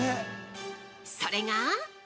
それが。